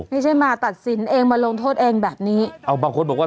ไม่ใช่มาตัดสินเองมาลงโทษเองแบบนี้เอาบางคนบอกว่า